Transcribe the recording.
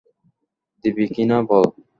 দিবি কি না বল?